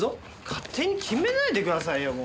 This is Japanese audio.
勝手に決めないでくださいよ。